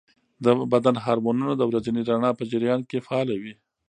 د بدن هارمونونه د ورځني رڼا په جریان کې فعاله وي.